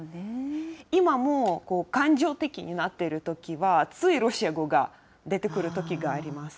今も感情的になっているときは、ついロシア語が出てくるときがあります。